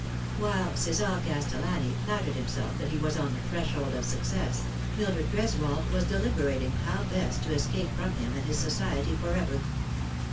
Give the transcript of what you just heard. While Cesar Castellani nattered himself that he was on the threshold of success, Mildred Greswold was deliberating how best to escape from him and his society for ever.